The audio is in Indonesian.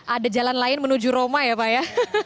ada jalan lain menuju roma ya pak ya